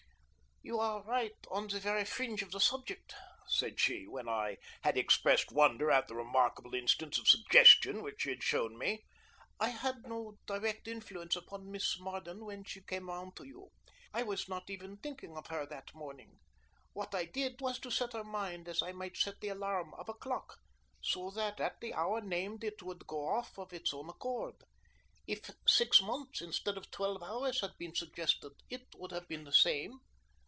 "You are on the very fringe of the subject," said she, when I had expressed wonder at the remarkable instance of suggestion which she had shown me. "I had no direct influence upon Miss Marden when she came round to you. I was not even thinking of her that morning. What I did was to set her mind as I might set the alarum of a clock so that at the hour named it would go off of its own accord. If six months instead of twelve hours had been suggested, it would have been the same."